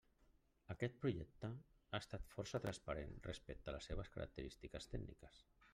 Aquest projecte ha estat força transparent respecte a les seves característiques tècniques.